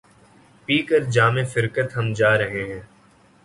پی کر جام فرقت ہم جا رہے ہیں